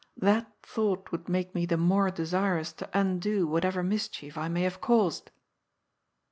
That thought would make me the more desirous to undo whateyer mischief I may have caused."